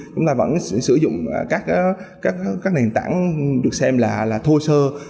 chúng ta vẫn sử dụng các nền tảng được xem là thô sơ